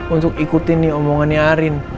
untuk ikutin nih omongannya arin